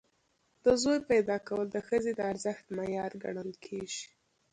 د زوی پیدا کول د ښځې د ارزښت معیار ګڼل کېږي.